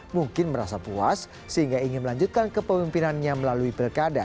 mungkin merasa puas sehingga ingin melanjutkan kepemimpinannya melalui pilkada